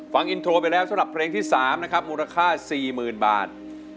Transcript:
ฟังอินโทรไปแล้วสำหรับเพลงที่๓นะครับมูลค่า๔๐๐๐บาท